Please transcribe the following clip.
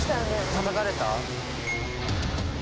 たたかれた？